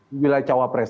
di wilayah cawapres